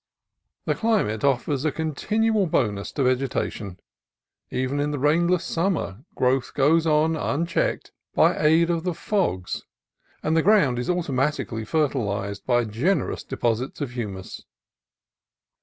The climate offers a continual bonus to vegetation. Even in the rainless summer, growth goes on unchecked by aid of the fogs, and the ground is automatically fertilized by generous de posits of humus.